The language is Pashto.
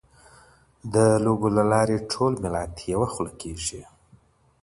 د لوبو له لارې ټول ملت یوه خوله کېږي.